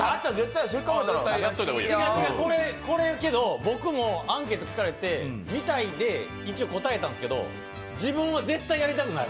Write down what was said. だったら違う違う、これ、僕もアンケート聞かれて見たいって一応答えたんですけど自分は絶対やりたくない。